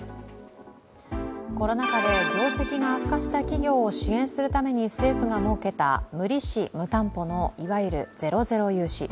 コロナ禍で業績が悪化した企業を支援するために政府が設けた無利子・無担保のいわゆるゼロゼロ融資。